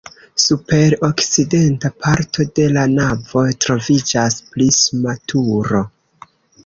Super okcidenta parto de la navo troviĝas prisma turo.